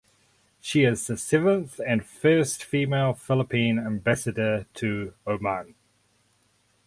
She is the seventh and first female Philippine Ambassador to Oman.